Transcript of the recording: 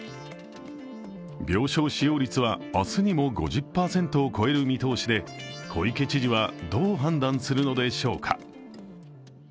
病床使用率は明日にも５０％を超える見通しで小池知事は、どう判断するのでしょうか。